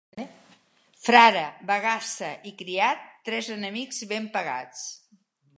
Frare, bagassa i criat, tres enemics ben pagats.